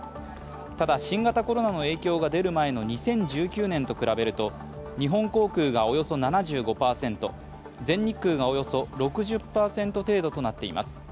ただ、新型コロナの影響が出る前の２０１９年と比べると日本航空がおよそ７５％全日空がおよそ６０％程度となっています。